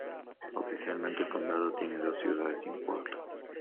Oficialmente el condado tiene dos ciudades y un pueblo.